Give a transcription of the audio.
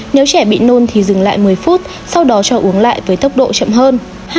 nếu trẻ bị nôn thì dừng lại một mươi phút sau đó cho uống lại với tốc độ chậm hơn